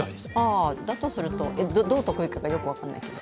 だとすると、どう得意かよく分かんないけど。